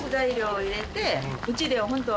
うちではホント。